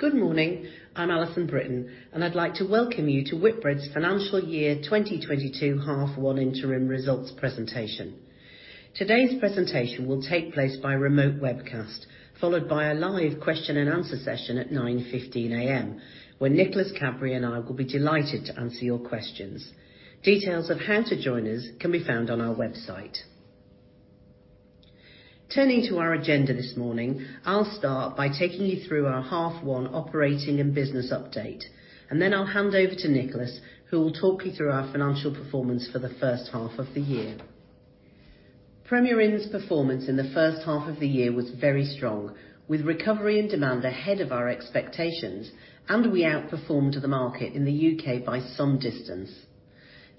Good morning. I'm Alison Brittain, and I'd like to welcome you to Whitbread's financial year 2022 half 1 interim results presentation. Today's presentation will take place by remote webcast, followed by a live question and answer session at 9:15 A.M., where Nicholas Cadbury and I will be delighted to answer your questions. Details of how to join us can be found on our website. Turning to our agenda this morning, I'll start by taking you through our Half 1 operating and business update, and then I'll hand over to Nicholas, who will talk you through our financial performance for the first half of the year. Premier Inn's performance in the first half of the year was very strong, with recovery and demand ahead of our expectations, and we outperformed the market in the U.K. by some distance.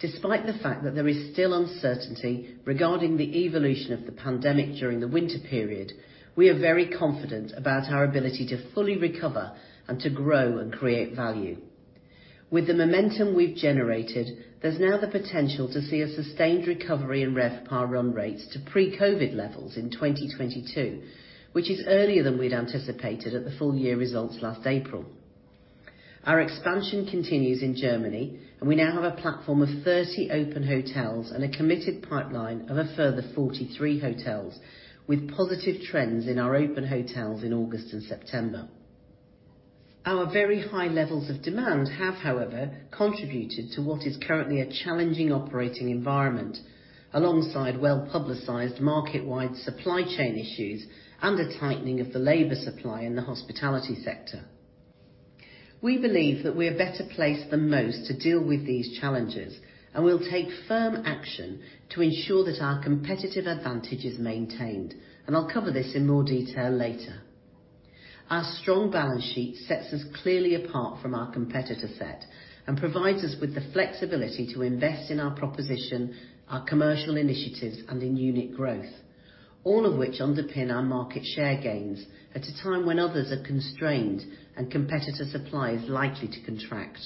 Despite the fact that there is still uncertainty regarding the evolution of the pandemic during the winter period, we are very confident about our ability to fully recover and to grow and create value. With the momentum we've generated, there's now the potential to see a sustained recovery in RevPAR run rates to pre-COVID levels in 2022, which is earlier than we'd anticipated at the full year results last April. Our expansion continues in Germany, and we now have a platform of 30 open hotels and a committed pipeline of a further 43 hotels with positive trends in our open hotels in August and September. Our very high levels of demand have, however, contributed to what is currently a challenging operating environment, alongside well-publicized market-wide supply chain issues and a tightening of the labor supply in the hospitality sector. We believe that we are better placed than most to deal with these challenges, and we'll take firm action to ensure that our competitive advantage is maintained, and I'll cover this in more detail later. Our strong balance sheet sets us clearly apart from our competitor set and provides us with the flexibility to invest in our proposition, our commercial initiatives, and in unit growth, all of which underpin our market share gains at a time when others are constrained and competitor supply is likely to contract.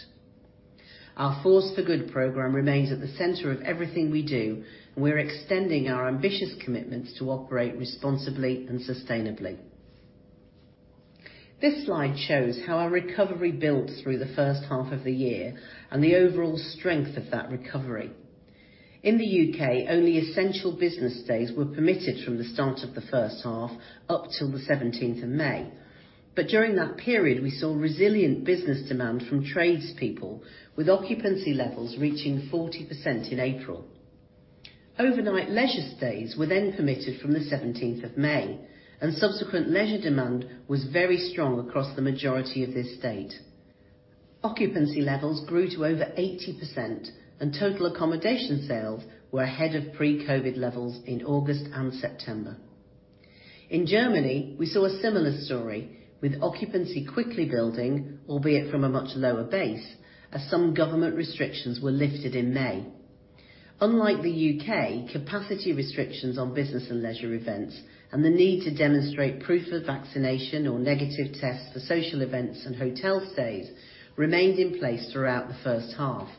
Our Force for Good program remains at the center of everything we do. We're extending our ambitious commitments to operate responsibly and sustainably. This slide shows how our recovery built through the first half of the year and the overall strength of that recovery. In the U.K., only essential business days were permitted from the start of the first half up till the 17th of May. During that period, we saw resilient business demand from tradespeople with occupancy levels reaching 40% in April. Overnight leisure stays were permitted from the 17th of May, and subsequent leisure demand was very strong across the majority of this date. Occupancy levels grew to over 80%, and total accommodation sales were ahead of pre-COVID levels in August and September. In Germany, we saw a similar story with occupancy quickly building, albeit from a much lower base, as some government restrictions were lifted in May. Unlike the U.K., capacity restrictions on business and leisure events and the need to demonstrate proof of vaccination or negative tests for social events and hotel stays remained in place throughout the first half,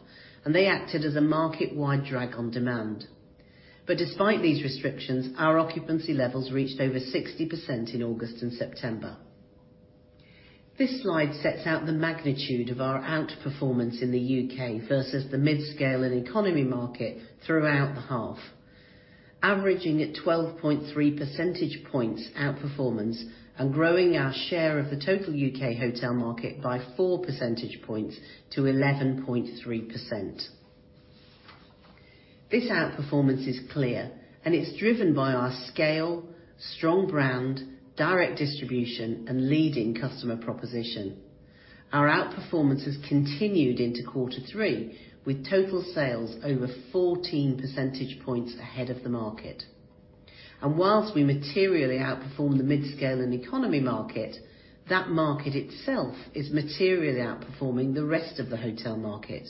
and they acted as a market-wide drag on demand. Despite these restrictions, our occupancy levels reached over 60% in August and September. This slide sets out the magnitude of our outperformance in the U.K. versus the mid-scale and economy market throughout the half, averaging at 12.3 percentage points outperformance and growing our share of the total U.K. hotel market by 4 percentage points to 11.3%. This outperformance is clear, and it's driven by our scale, strong brand, direct distribution, and leading customer proposition. Our outperformance has continued into quarter three, with total sales over 14 percentage points ahead of the market. While we materially outperform the mid-scale and economy market, that market itself is materially outperforming the rest of the hotel market.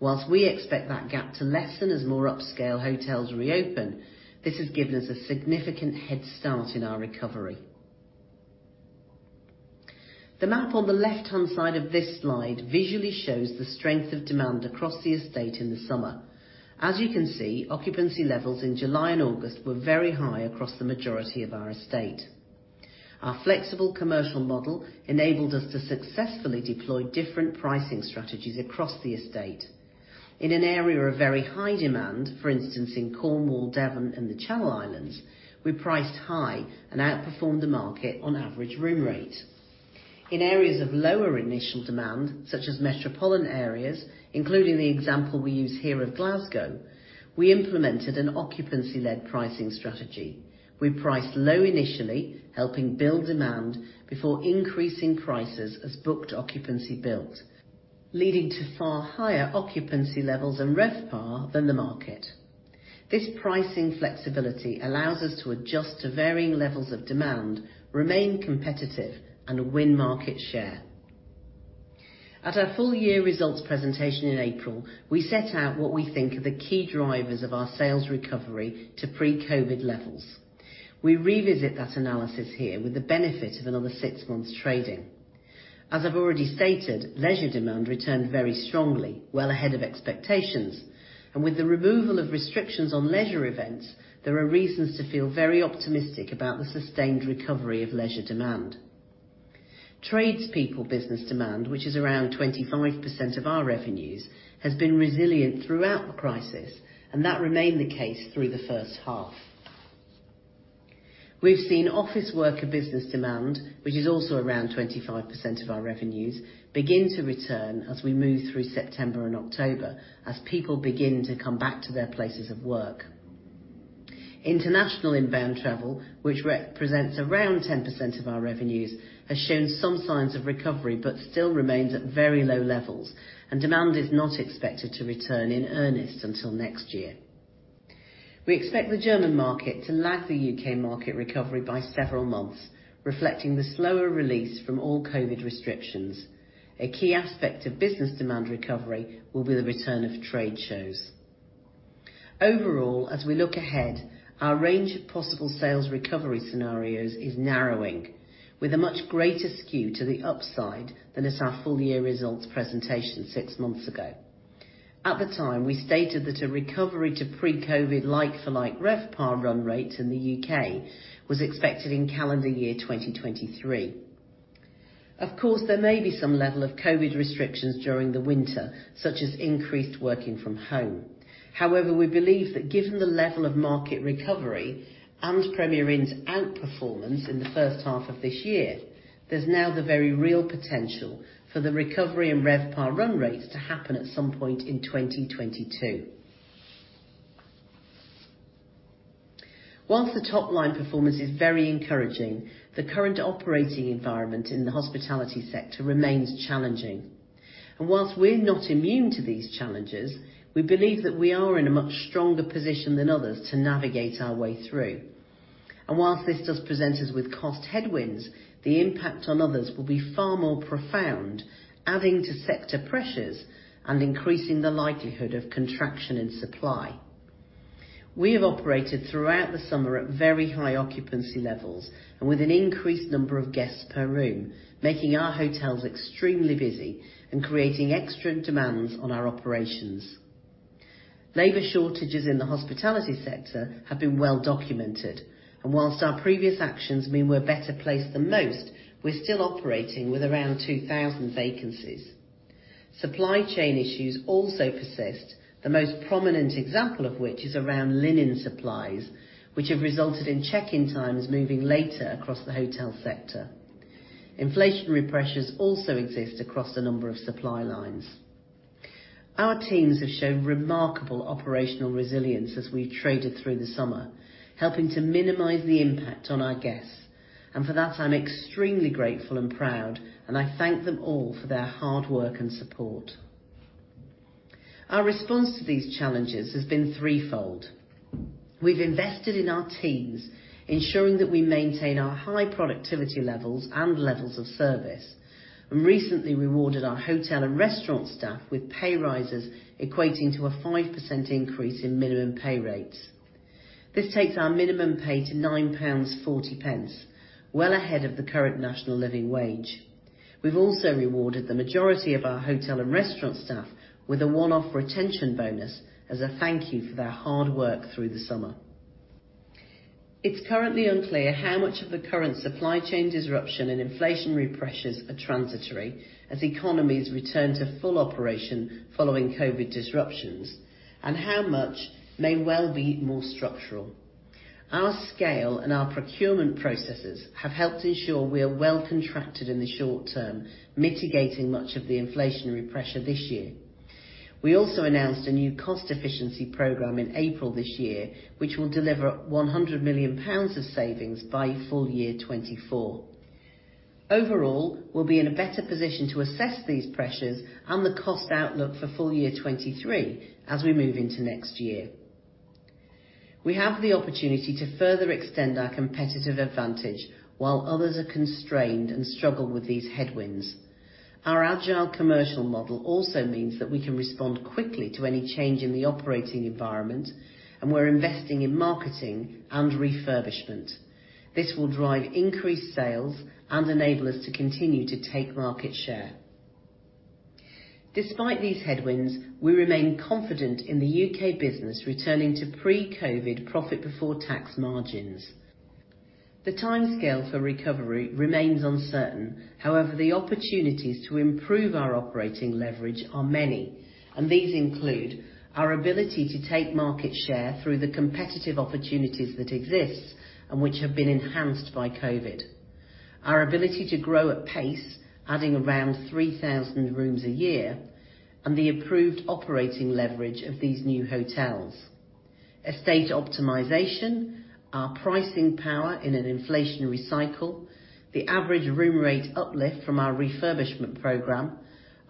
While we expect that gap to lessen as more upscale hotels reopen, this has given us a significant head start in our recovery. The map on the left-hand side of this slide visually shows the strength of demand across the estate in the summer. As you can see, occupancy levels in July and August were very high across the majority of our estate. Our flexible commercial model enabled us to successfully deploy different pricing strategies across the estate. In an area of very high demand, for instance, in Cornwall, Devon, and the Channel Islands, we priced high and outperformed the market on average room rate. In areas of lower initial demand, such as metropolitan areas, including the example we use here of Glasgow, we implemented an occupancy-led pricing strategy. We priced low initially, helping build demand before increasing prices as booked occupancy built, leading to far higher occupancy levels and RevPAR than the market. This pricing flexibility allows us to adjust to varying levels of demand, remain competitive, and win market share. At our full year results presentation in April, we set out what we think are the key drivers of our sales recovery to pre-COVID levels. We revisit that analysis here with the benefit of another six months trading. As I've already stated, leisure demand returned very strongly, well ahead of expectations. With the removal of restrictions on leisure events, there are reasons to feel very optimistic about the sustained recovery of leisure demand. Tradespeople business demand, which is around 25% of our revenues, has been resilient throughout the crisis, and that remained the case through the first half. We've seen office worker business demand, which is also around 25% of our revenues, begin to return as we move through September and October as people begin to come back to their places of work. International inbound travel, which represents around 10% of our revenues, has shown some signs of recovery but still remains at very low levels and demand is not expected to return in earnest until next year. We expect the German market to lag the U.K. market recovery by several months, reflecting the slower release from all COVID restrictions. A key aspect of business demand recovery will be the return of trade shows. Overall, as we look ahead, our range of possible sales recovery scenarios is narrowing with a much greater skew to the upside than at our full year results presentation six months ago. At the time, we stated that a recovery to pre-COVID like for like RevPAR run rates in the U.K. was expected in calendar year 2022-2023. Of course, there may be some level of COVID restrictions during the winter, such as increased working from home. However, we believe that given the level of market recovery and Premier Inn's outperformance in the first half of this year, there's now the very real potential for the recovery in RevPAR run rates to happen at some point in 2022. While the top-line performance is very encouraging, the current operating environment in the hospitality sector remains challenging. While we're not immune to these challenges, we believe that we are in a much stronger position than others to navigate our way through. While this does present us with cost headwinds, the impact on others will be far more profound, adding to sector pressures and increasing the likelihood of contraction in supply. We have operated throughout the summer at very high occupancy levels and with an increased number of guests per room, making our hotels extremely busy and creating extra demands on our operations. Labor shortages in the hospitality sector have been well documented, and while our previous actions mean we're better placed than most, we're still operating with around 2,000 vacancies. Supply chain issues also persist, the most prominent example of which is around linen supplies, which have resulted in check-in times moving later across the hotel sector. Inflationary pressures also exist across a number of supply lines. Our teams have shown remarkable operational resilience as we traded through the summer, helping to minimize the impact on our guests. For that, I'm extremely grateful and proud, and I thank them all for their hard work and support. Our response to these challenges has been threefold. We've invested in our teams, ensuring that we maintain our high productivity levels and levels of service, and recently rewarded our hotel and restaurant staff with pay rises equating to a 5% increase in minimum pay rates. This takes our minimum pay to 9.40 pounds, well ahead of the current national living wage. We've also rewarded the majority of our hotel and restaurant staff with a one-off retention bonus as a thank you for their hard work through the summer. It's currently unclear how much of the current supply chain disruption and inflationary pressures are transitory as economies return to full operation following COVID disruptions, and how much may well be more structural. Our scale and our procurement processes have helped ensure we are well contracted in the short term, mitigating much of the inflationary pressure this year. We also announced a new cost efficiency program in April this year, which will deliver 100 million pounds of savings by full year 2024. Overall, we'll be in a better position to assess these pressures and the cost outlook for full year 2023 as we move into next year. We have the opportunity to further extend our competitive advantage while others are constrained and struggle with these headwinds. Our agile commercial model also means that we can respond quickly to any change in the operating environment, and we're investing in marketing and refurbishment. This will drive increased sales and enable us to continue to take market share. Despite these headwinds, we remain confident in the U.K. business returning to pre-COVID profit before tax margins. The timescale for recovery remains uncertain. However, the opportunities to improve our operating leverage are many, and these include our ability to take market share through the competitive opportunities that exist and which have been enhanced by COVID, our ability to grow at pace, adding around 3,000 rooms a year, and the improved operating leverage of these new hotels, estate optimization, our pricing power in an inflationary cycle, the average room rate uplift from our refurbishment program,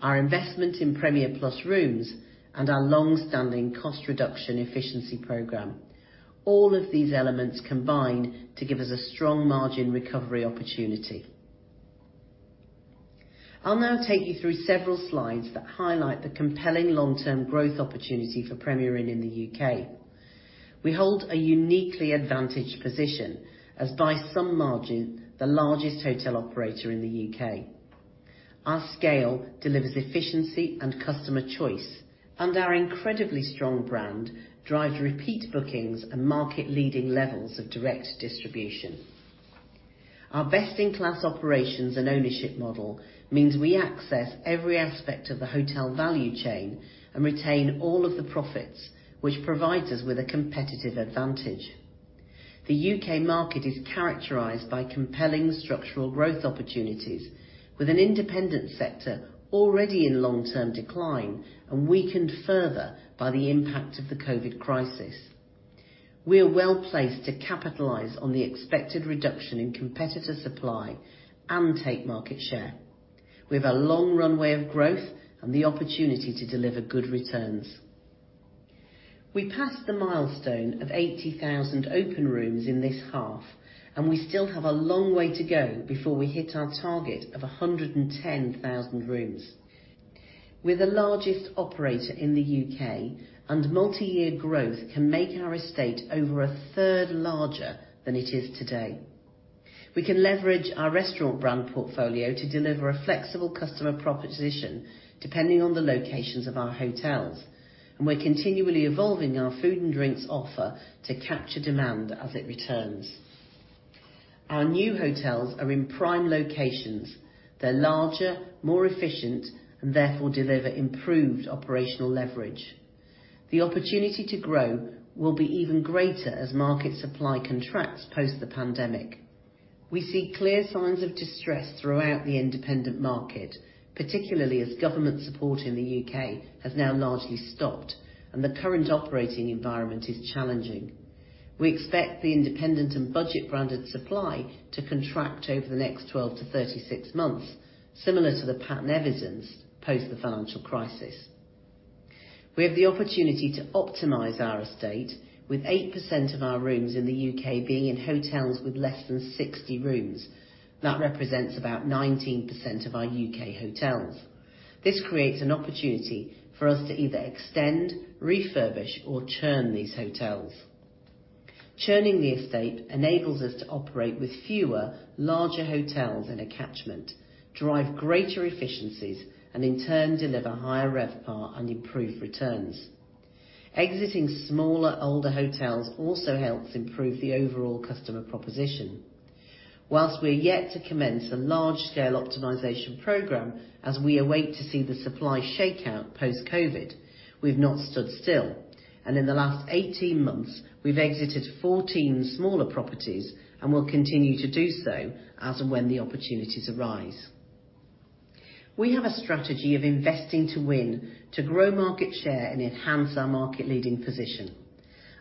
our investment in Premier Plus rooms, and our long-standing cost reduction efficiency program. All of these elements combine to give us a strong margin recovery opportunity. I'll now take you through several slides that highlight the compelling long-term growth opportunity for Premier Inn in the U.K. We hold a uniquely advantaged position, as by some margin, the largest hotel operator in the U.K. Our scale delivers efficiency and customer choice, and our incredibly strong brand drives repeat bookings and market-leading levels of direct distribution. Our best-in-class operations and ownership model means we access every aspect of the hotel value chain and retain all of the profits which provides us with a competitive advantage. The U.K. market is characterized by compelling structural growth opportunities with an independent sector already in long-term decline and weakened further by the impact of the COVID crisis. We are well-placed to capitalize on the expected reduction in competitor supply and take market share with a long runway of growth and the opportunity to deliver good returns. We passed the milestone of 80,000 open rooms in this half, and we still have a long way to go before we hit our target of 110,000 rooms. We're the largest operator in the U.K., and multi-year growth can make our estate over a third larger than it is today. We can leverage our restaurant brand portfolio to deliver a flexible customer proposition depending on the locations of our hotels, and we're continually evolving our food and drinks offer to capture demand as it returns. Our new hotels are in prime locations. They're larger, more efficient, and therefore deliver improved operational leverage. The opportunity to grow will be even greater as market supply contracts post the pandemic. We see clear signs of distress throughout the independent market, particularly as government support in the U.K. has now largely stopped and the current operating environment is challenging. We expect the independent and budget branded supply to contract over the next 12-36 months, similar to the pattern evidenced post the financial crisis. We have the opportunity to optimize our estate with 8% of our rooms in the U.K. being in hotels with less than 60 rooms. That represents about 19% of our U.K. hotels. This creates an opportunity for us to either extend, refurbish, or churn these hotels. Churning the estate enables us to operate with fewer larger hotels in a catchment, drive greater efficiencies, and in turn deliver higher RevPAR and improve returns. Exiting smaller older hotels also helps improve the overall customer proposition. While we're yet to commence a large-scale optimization program as we await to see the supply shakeout post-COVID, we've not stood still, and in the last 18 months we've exited 14 smaller properties and will continue to do so as and when the opportunities arise. We have a strategy of investing to win to grow market share and enhance our market leading position.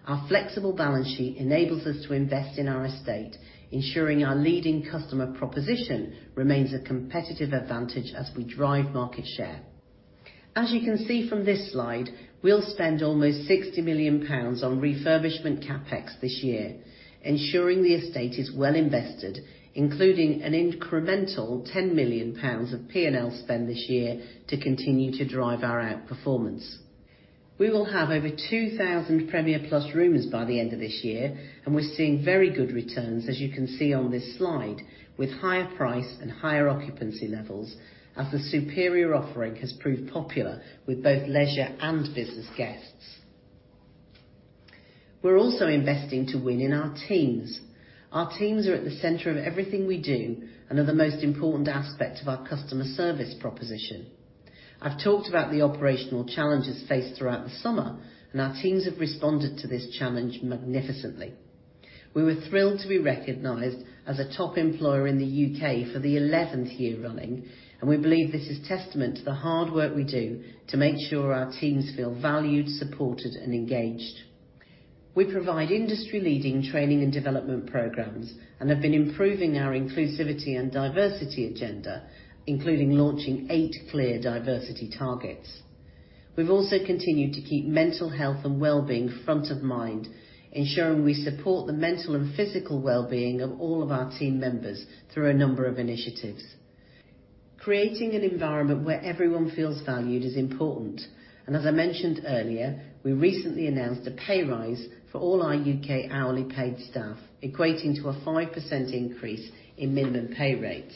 Our flexible balance sheet enables us to invest in our estate, ensuring our leading customer proposition remains a competitive advantage as we drive market share. As you can see from this slide, we'll spend almost 60 million pounds on refurbishment CapEx this year, ensuring the estate is well invested, including an incremental 10 million pounds of P&L spend this year to continue to drive our outperformance. We will have over 2,000 Premier Plus rooms by the end of this year, and we're seeing very good returns as you can see on this slide with higher price and higher occupancy levels as the superior offering has proved popular with both leisure and business guests. We're also investing to win in our teams. Our teams are at the center of everything we do and are the most important aspect of our customer service proposition. I've talked about the operational challenges faced throughout the summer, and our teams have responded to this challenge magnificently. We were thrilled to be recognized as a top employer in the U.K. for the 11th year running, and we believe this is testament to the hard work we do to make sure our teams feel valued, supported, and engaged. We provide industry-leading training and development programs and have been improving our inclusivity and diversity agenda, including launching eight clear diversity targets. We've also continued to keep mental health and well-being front of mind, ensuring we support the mental and physical well-being of all of our team members through a number of initiatives. Creating an environment where everyone feels valued is important, and as I mentioned earlier, we recently announced a pay rise for all our U.K. hourly paid staff, equating to a 5% increase in minimum pay rates,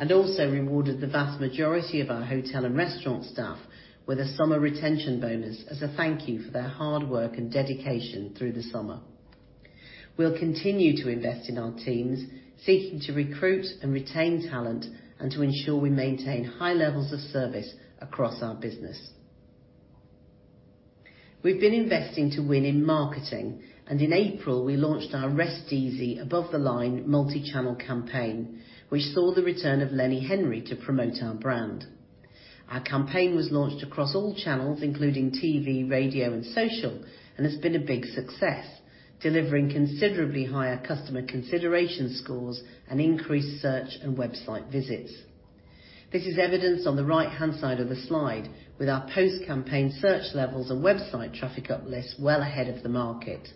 and also rewarded the vast majority of our hotel and restaurant staff with a summer retention bonus as a thank you for their hard work and dedication through the summer. We'll continue to invest in our teams, seeking to recruit and retain talent and to ensure we maintain high levels of service across our business. We've been investing to win in marketing and in April we launched our Rest Easy above the line multi-channel campaign, which saw the return of Lenny Henry to promote our brand. Our campaign was launched across all channels including TV, radio, and social and has been a big success, delivering considerably higher customer consideration scores and increased search and website visits. This is evidenced on the right-hand side of the slide with our post-campaign search levels and website traffic uplifts well ahead of the market.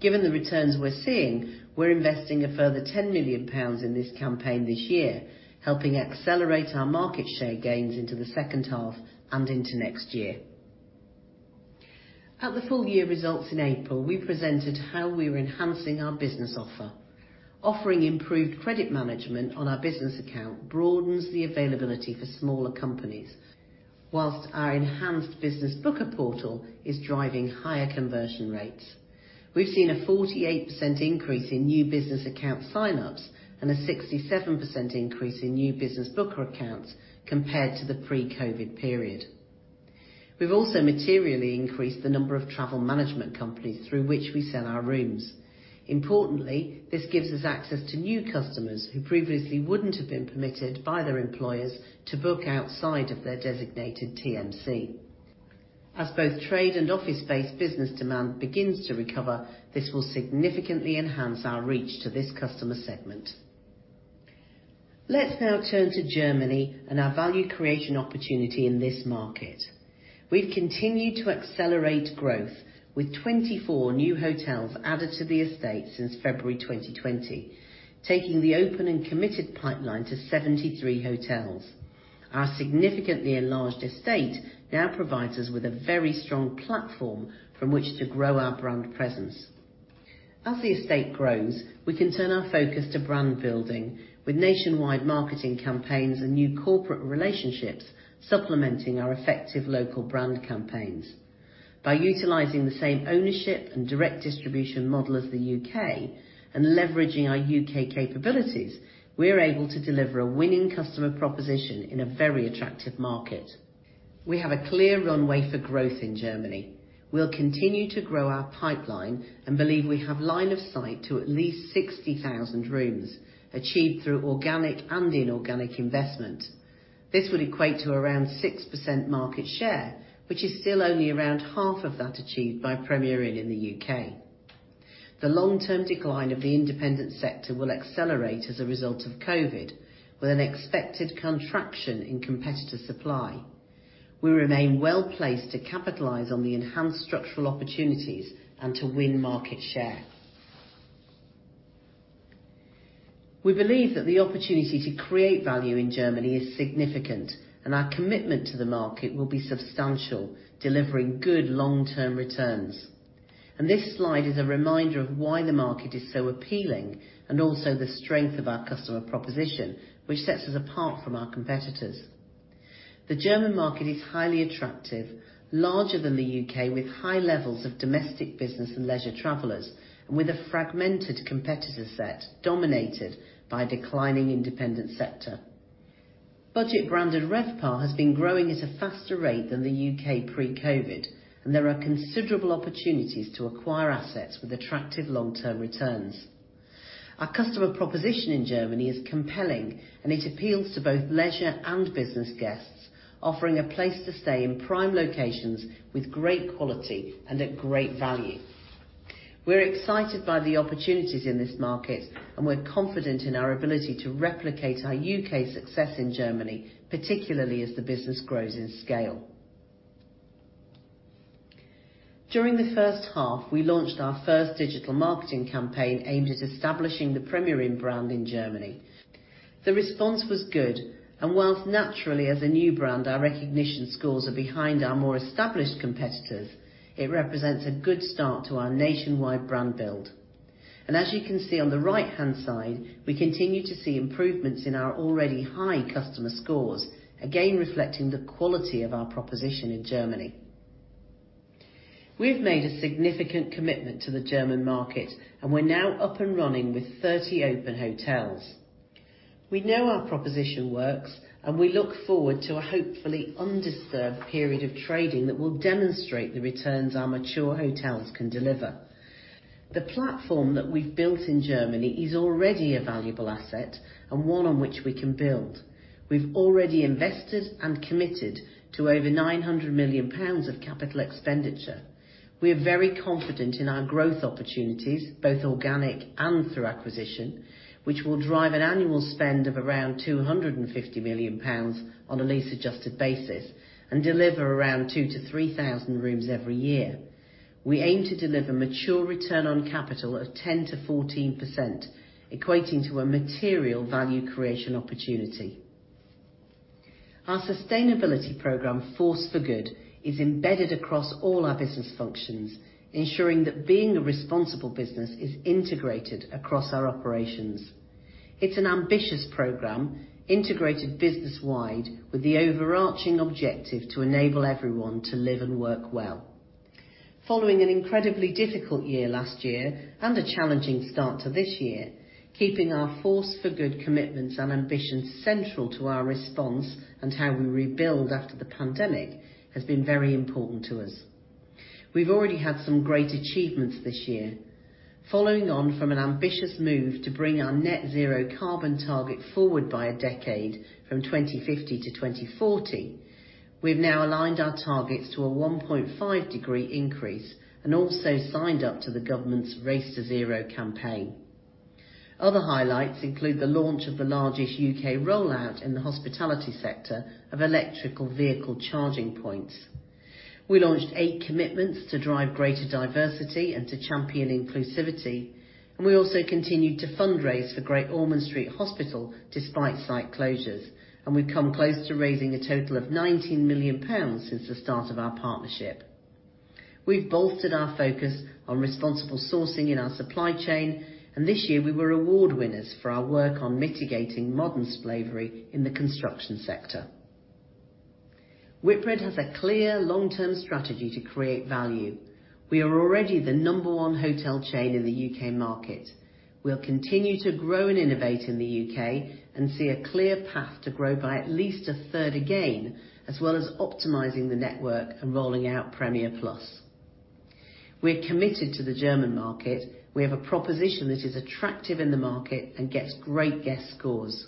Given the returns we're seeing, we're investing a further 10 million pounds in this campaign this year, helping accelerate our market share gains into the second half and into next year. At the full year results in April, we presented how we are enhancing our business offer. Offering improved credit management on our business account broadens the availability for smaller companies. While our enhanced business booker portal is driving higher conversion rates. We've seen a 48% increase in new business account signups and a 67% increase in new business booker accounts compared to the pre-COVID period. We've also materially increased the number of travel management companies through which we sell our rooms. Importantly, this gives us access to new customers who previously wouldn't have been permitted by their employers to book outside of their designated TMC. As both trade and office-based business demand begins to recover, this will significantly enhance our reach to this customer segment. Let's now turn to Germany and our value creation opportunity in this market. We've continued to accelerate growth with 24 new hotels added to the estate since February 2022, taking the open and committed pipeline to 73 hotels. Our significantly enlarged estate now provides us with a very strong platform from which to grow our brand presence. As the estate grows, we can turn our focus to brand building with nationwide marketing campaigns and new corporate relationships supplementing our effective local brand campaigns. By utilizing the same ownership and direct distribution model as the U.K. and leveraging our U.K. capabilities, we're able to deliver a winning customer proposition in a very attractive market. We have a clear runway for growth in Germany. We'll continue to grow our pipeline and believe we have line of sight to at least 60,000 rooms achieved through organic and inorganic investment. This would equate to around 6% market share, which is still only around half of that achieved by Premier Inn in the U.K. The long-term decline of the independent sector will accelerate as a result of COVID, with an expected contraction in competitor supply. We remain well-placed to capitalize on the enhanced structural opportunities and to win market share. We believe that the opportunity to create value in Germany is significant, and our commitment to the market will be substantial, delivering good long-term returns. This slide is a reminder of why the market is so appealing and also the strength of our customer proposition, which sets us apart from our competitors. The German market is highly attractive, larger than the U.K., with high levels of domestic business and leisure travelers and with a fragmented competitor set dominated by a declining independent sector. Budget branded RevPAR has been growing at a faster rate than the U.K. pre-COVID, and there are considerable opportunities to acquire assets with attractive long-term returns. Our customer proposition in Germany is compelling, and it appeals to both leisure and business guests, offering a place to stay in prime locations with great quality and at great value. We're excited by the opportunities in this market, and we're confident in our ability to replicate our U.K. success in Germany, particularly as the business grows in scale. During the first half, we launched our first digital marketing campaign aimed at establishing the Premier Inn brand in Germany. The response was good, and while naturally as a new brand, our recognition scores are behind our more established competitors, it represents a good start to our nationwide brand build. As you can see on the right-hand side, we continue to see improvements in our already high customer scores, again, reflecting the quality of our proposition in Germany. We've made a significant commitment to the German market, and we're now up and running with 30 open hotels. We know our proposition works, and we look forward to a hopefully undisturbed period of trading that will demonstrate the returns our mature hotels can deliver. The platform that we've built in Germany is already a valuable asset and one on which we can build. We've already invested and committed to over 900 million pounds of capital expenditure. We are very confident in our growth opportunities, both organic and through acquisition, which will drive an annual spend of around 250 million pounds on a lease adjusted basis and deliver around 2,000-3,000 rooms every year. We aim to deliver mature return on capital of 10%-14%, equating to a material value creation opportunity. Our sustainability program, Force for Good, is embedded across all our business functions, ensuring that being a responsible business is integrated across our operations. It's an ambitious program, integrated business-wide with the overarching objective to enable everyone to live and work well. Following an incredibly difficult year last year and a challenging start to this year, keeping our Force for Good commitments and ambitions central to our response and how we rebuild after the pandemic has been very important to us. We've already had some great achievements this year. Following on from an ambitious move to bring our net zero carbon target forward by a decade from 2050 to 2040, we've now aligned our targets to a 1.5-degree increase and also signed up to the government's Race to Zero campaign. Other highlights include the launch of the largest U.K. rollout in the hospitality sector of electric vehicle charging points. We launched eight commitments to drive greater diversity and to champion inclusivity. We also continued to fundraise for Great Ormond Street Hospital despite site closures. We've come close to raising a total of 19 million pounds since the start of our partnership. We've bolstered our focus on responsible sourcing in our supply chain, and this year we were award winners for our work on mitigating modern slavery in the construction sector. Whitbread has a clear long-term strategy to create value. We are already the number one hotel chain in the U.K. market. We'll continue to grow and innovate in the U.K., and see a clear path to grow by at least a third again, as well as optimizing the network and rolling out Premier Plus. We're committed to the German market. We have a proposition that is attractive in the market and gets great guest scores.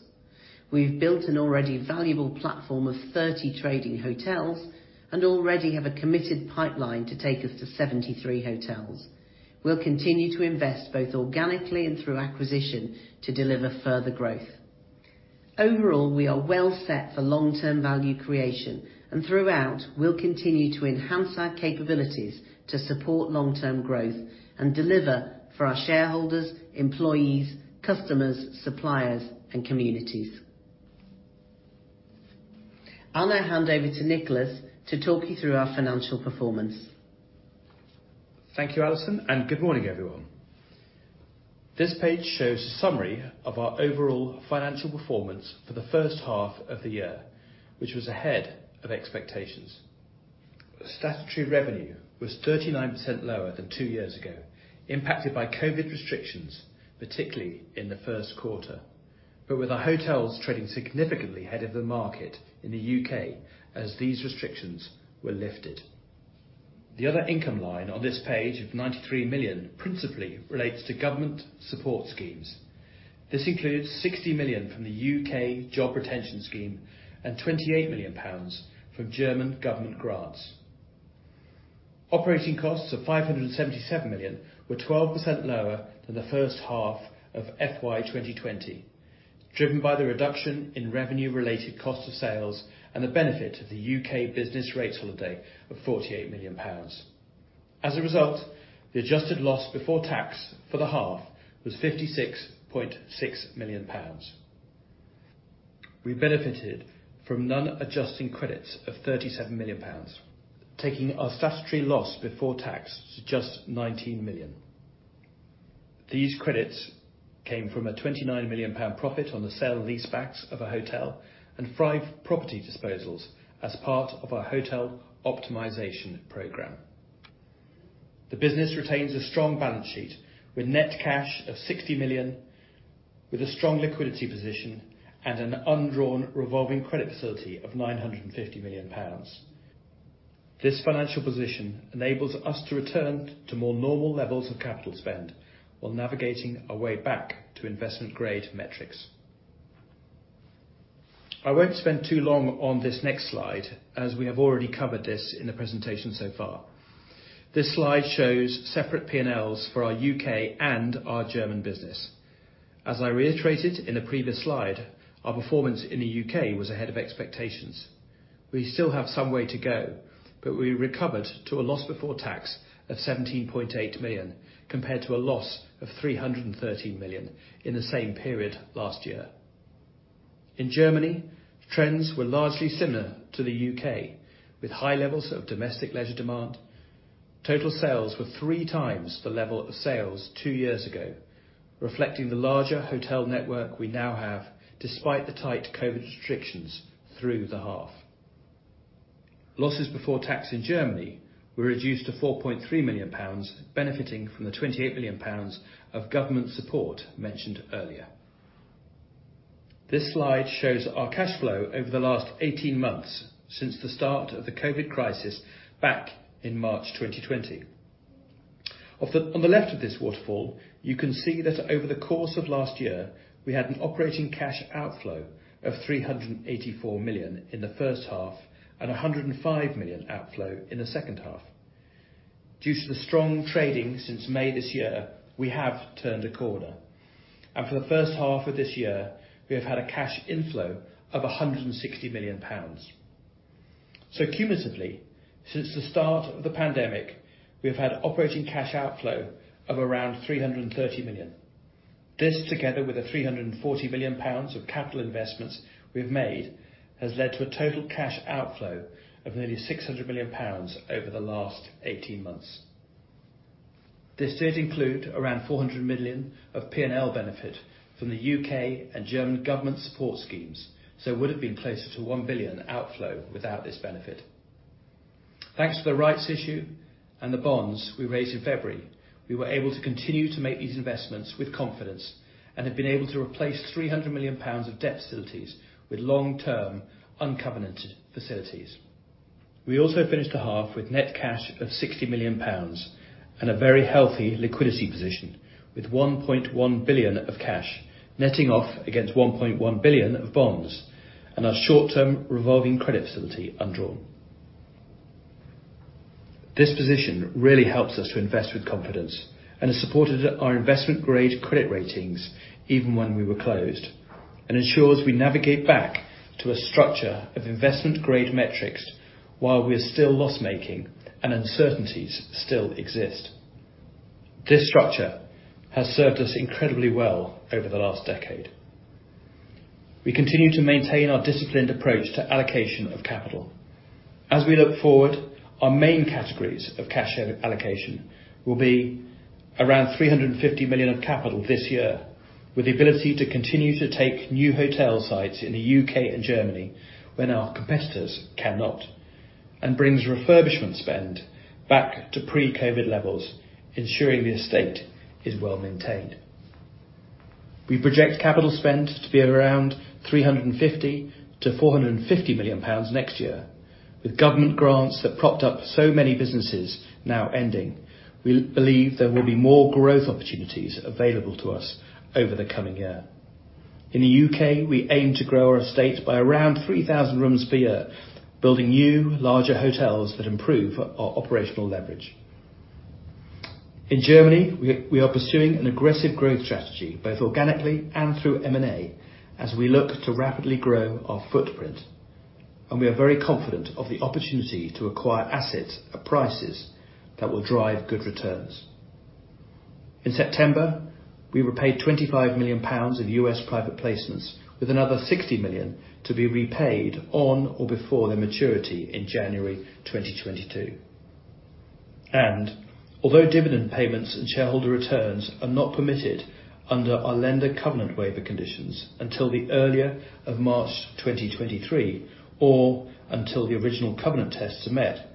We've built an already valuable platform of 30 trading hotels and already have a committed pipeline to take us to 73 hotels. We'll continue to invest, both organically and through acquisition, to deliver further growth. Overall, we are well set for long-term value creation, and throughout, we'll continue to enhance our capabilities to support long-term growth and deliver for our shareholders, employees, customers, suppliers, and communities. I'll now hand over to Nicholas to talk you through our financial performance. Thank you, Alison, and good morning, everyone. This page shows a summary of our overall financial performance for the first half of the year, which was ahead of expectations. Statutory revenue was 39% lower than two years ago, impacted by COVID restrictions, particularly in the first quarter, but with our hotels trading significantly ahead of the market in the U.K. as these restrictions were lifted. The other income line on this page of 93 million principally relates to government support schemes. This includes 60 million from the U.K. Job Retention Scheme and 28 million pounds from German government grants. Operating costs of 577 million were 12% lower than the first half of FY 2020, driven by the reduction in revenue-related cost of sales and the benefit of the U.K. business rates holiday of 48 million pounds. As a result, the adjusted loss before tax for the half was 56.6 million pounds. We benefited from non-adjusting credits of 37 million pounds, taking our statutory loss before tax to just 19 million. These credits came from a 29 million pound profit on the sale and leasebacks of a hotel and five property disposals as part of our hotel optimization program. The business retains a strong balance sheet with net cash of 60 million, with a strong liquidity position and an undrawn revolving credit facility of 950 million pounds. This financial position enables us to return to more normal levels of capital spend while navigating our way back to investment-grade metrics. I won't spend too long on this next slide, as we have already covered this in the presentation so far. This slide shows separate P&Ls for our U.K. and our German business. As I reiterated in a previous slide, our performance in the U.K. was ahead of expectations. We still have some way to go, but we recovered to a loss before tax of 17.8 million, compared to a loss of 313 million in the same period last year. In Germany, trends were largely similar to the U.K., with high levels of domestic leisure demand. Total sales were three times the level of sales two years ago, reflecting the larger hotel network we now have despite the tight COVID restrictions through the half. Losses before tax in Germany were reduced to 4.3 million pounds, benefiting from the 28 million pounds of government support mentioned earlier. This slide shows our cash flow over the last 18 months since the start of the COVID crisis back in March 2020. On the left of this waterfall, you can see that over the course of last year, we had an operating cash outflow of 384 million in the first half and 105 million outflow in the second half. Due to the strong trading since May this year, we have turned a corner, and for the first half of this year, we have had a cash inflow of 160 million pounds. Cumulatively, since the start of the pandemic, we have had operating cash outflow of around 330 million. This, together with the 340 million pounds of capital investments we have made, has led to a total cash outflow of nearly 600 million pounds over the last 18 months. This did include around 400 million of P&L benefit from the U.K. and German government support schemes, so it would've been closer to 1 billion outflow without this benefit. Thanks to the rights issue and the bonds we raised in February, we were able to continue to make these investments with confidence and have been able to replace 300 million pounds of debt facilities with long-term uncovenanted facilities. We also finished the half with net cash of 60 million pounds and a very healthy liquidity position with 1.1 billion of cash, netting off against 1.1 billion of bonds and our short-term revolving credit facility undrawn. This position really helps us to invest with confidence and has supported our investment-grade credit ratings even when we were closed and ensures we navigate back to a structure of investment-grade metrics while we're still loss-making and uncertainties still exist. This structure has served us incredibly well over the last decade. We continue to maintain our disciplined approach to allocation of capital. As we look forward, our main categories of cash allocation will be around 350 million of capital this year, with the ability to continue to take new hotel sites in the U.K. and Germany when our competitors cannot, and brings refurbishment spend back to pre-COVID levels, ensuring the estate is well maintained. We project capital spend to be around 350 million-450 million pounds next year. With government grants that propped up so many businesses now ending, we believe there will be more growth opportunities available to us over the coming year. In the U.K., we aim to grow our estate by around 3,000 rooms per year, building new larger hotels that improve our operational leverage. In Germany, we are pursuing an aggressive growth strategy, both organically and through M&A, as we look to rapidly grow our footprint, and we are very confident of the opportunity to acquire assets at prices that will drive good returns. In September, we repaid 25 million pounds of U.S. private placements with another 60 million to be repaid on or before their maturity in January 2022. Although dividend payments and shareholder returns are not permitted under our lender covenant waiver conditions until the earlier of March 2023 or until the original covenant tests are met,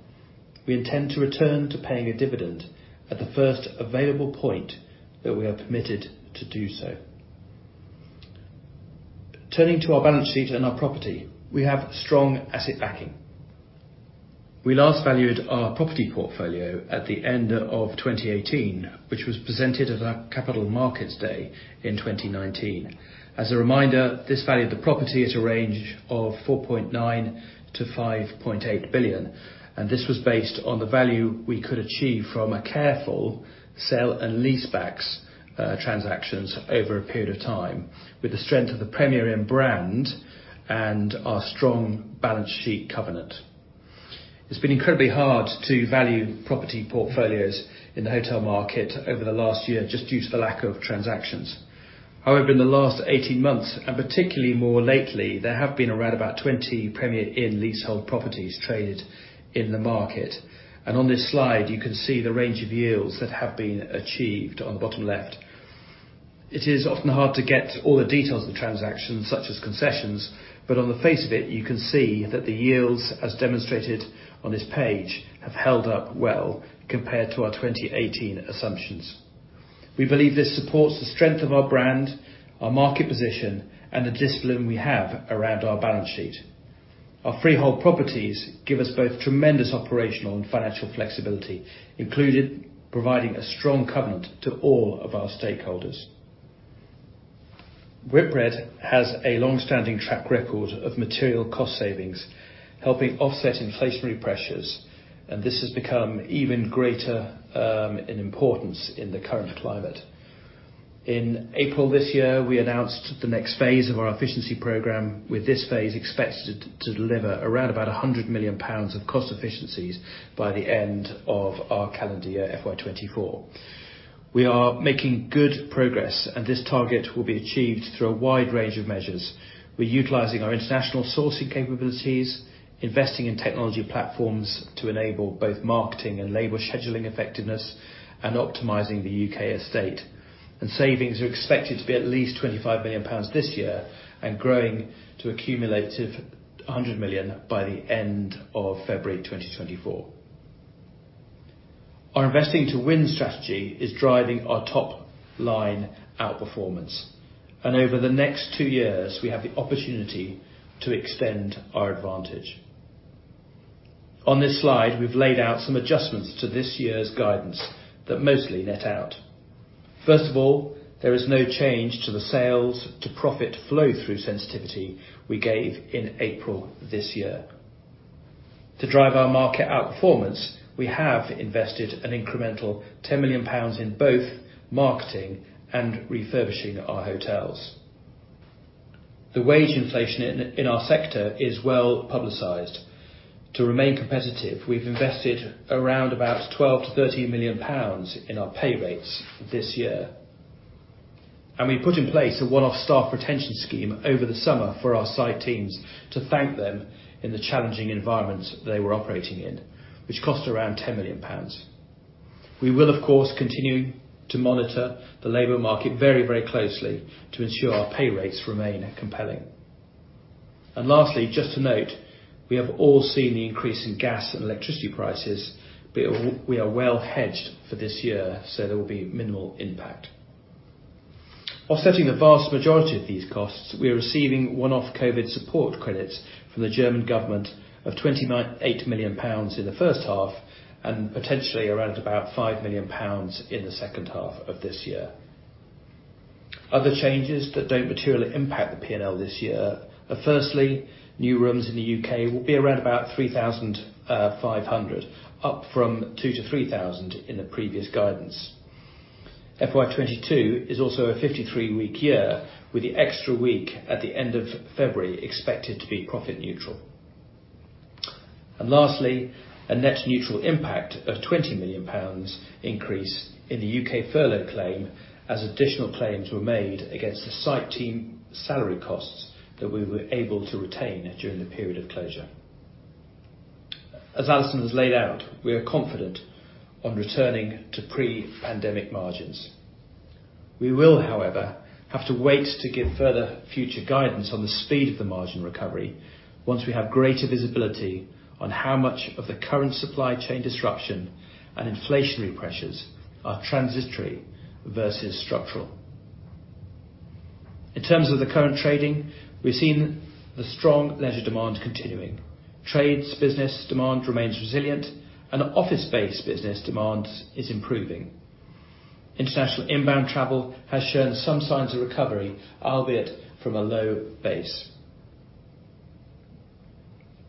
we intend to return to paying a dividend at the first available point that we are permitted to do so. Turning to our balance sheet and our property, we have strong asset backing. We last valued our property portfolio at the end of 2018, which was presented at our Capital Markets Day in 2019. As a reminder, this valued the property at a range of 4.9 billion-5.8 billion, and this was based on the value we could achieve from a careful sale and leasebacks transactions over a period of time with the strength of the Premier Inn brand and our strong balance sheet covenant. It's been incredibly hard to value property portfolios in the hotel market over the last year just due to the lack of transactions. However, in the last 18 months, and particularly more lately, there have been around about 20 Premier Inn leasehold properties traded in the market. On this slide you can see the range of yields that have been achieved on the bottom left. It is often hard to get all the details of the transactions such as concessions, but on the face of it you can see that the yields, as demonstrated on this page, have held up well compared to our 2018 assumptions. We believe this supports the strength of our brand, our market position, and the discipline we have around our balance sheet. Our freehold properties give us both tremendous operational and financial flexibility, including providing a strong covenant to all of our stakeholders. Whitbread has a long-standing track record of material cost savings, helping offset inflationary pressures, and this has become even greater in importance in the current climate. In April this year, we announced the next phase of our efficiency program, with this phase expected to deliver around about 100 million pounds of cost efficiencies by the end of our calendar year, FY 2024. We are making good progress and this target will be achieved through a wide range of measures. We're utilizing our international sourcing capabilities, investing in technology platforms to enable both marketing and labor scheduling effectiveness, and optimizing the U.K. estate. Savings are expected to be at least 25 million pounds this year and growing to accumulative 100 million by the end of February 2024. Our investing to win strategy is driving our top-line outperformance. Over the next two years, we have the opportunity to extend our advantage. On this slide, we've laid out some adjustments to this year's guidance that mostly net out. First of all, there is no change to the sales to profit flow-through sensitivity we gave in April this year. To drive our market outperformance, we have invested an incremental 10 million pounds in both marketing and refurbishing our hotels. The wage inflation in our sector is well publicized. To remain competitive, we've invested around about 12 million-13 million pounds in our pay rates this year. We put in place a one-off staff retention scheme over the summer for our site teams to thank them in the challenging environment they were operating in, which cost around 10 million pounds. We will of course continue to monitor the labor market very, very closely to ensure our pay rates remain compelling. Lastly, just to note, we have all seen the increase in gas and electricity prices, but we are well hedged for this year, so there will be minimal impact. Offsetting the vast majority of these costs, we are receiving one-off COVID support credits from the German government of 28 million pounds in the first half and potentially around about 5 million pounds in the second half of this year. Other changes that don't materially impact the P&L this year are firstly, new rooms in the U.K. will be around about 3,500, up from 2,000-3,000 in the previous guidance. FY 2022 is also a 53-week year with the extra week at the end of February expected to be profit neutral. Lastly, a net neutral impact of GBP 20 million increase in the U.K. Furlough claim as additional claims were made against the site team salary costs that we were able to retain during the period of closure. As Alison has laid out, we are confident on returning to pre-pandemic margins. We will, however, have to wait to give further future guidance on the speed of the margin recovery once we have greater visibility on how much of the current supply chain disruption and inflationary pressures are transitory versus structural. In terms of the current trading, we've seen the strong leisure demand continuing. Trades business demand remains resilient, and office-based business demand is improving. International inbound travel has shown some signs of recovery, albeit from a low base.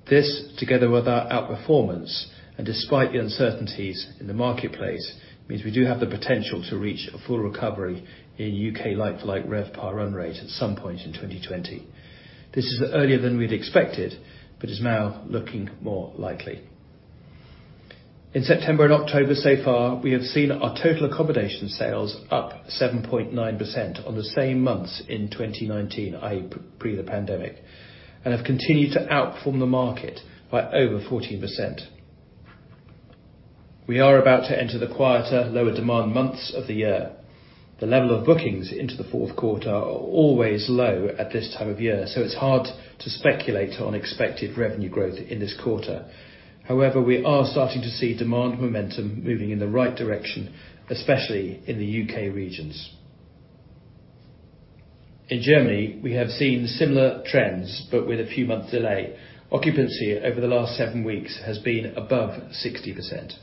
This, together with our outperformance and despite the uncertainties in the marketplace, means we do have the potential to reach a full recovery in U.K. like-for-like RevPAR run rate at some point in 2020. This is earlier than we'd expected, but is now looking more likely. In September and October so far, we have seen our total accommodation sales up 7.9% on the same months in 2019, i.e., pre the pandemic, and have continued to outperform the market by over 14%. We are about to enter the quieter, lower demand months of the year. The level of bookings into the fourth quarter are always low at this time of year, so it's hard to speculate on expected revenue growth in this quarter. However, we are starting to see demand momentum moving in the right direction, especially in the U.K. regions. In Germany, we have seen similar trends, but with a few months' delay. Occupancy over the last seven weeks has been above 60%.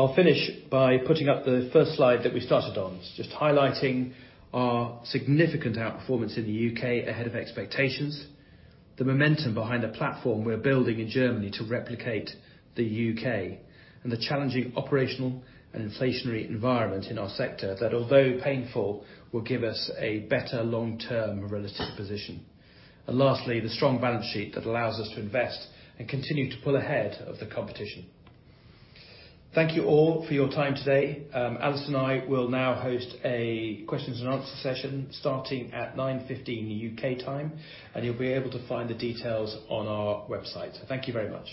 I'll finish by putting up the first slide that we started on, just highlighting our significant outperformance in the U.K. ahead of expectations, the momentum behind the platform we're building in Germany to replicate the U.K., and the challenging operational and inflationary environment in our sector that although painful, will give us a better long-term relative position. Lastly, the strong balance sheet that allows us to invest and continue to pull ahead of the competition. Thank you all for your time today. Alison and I will now host a question-and-answer session starting at 9:15 A.M. U.K. time, and you'll be able to find the details on our website. Thank you very much.